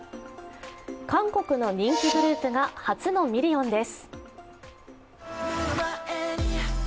韓国の人気グループが初のミリオンです。